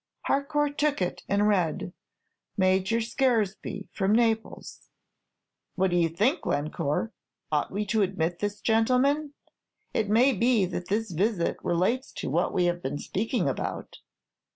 Harcourt took it, and read, "Major Scaresby, from Naples." "What think you, Glencore? Ought we to admit this gentleman? It may be that this visit relates to what we have been speaking about."